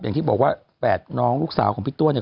อย่างที่บอกว่าแฝดน้องลูกสาวของพี่ตัวเนี่ย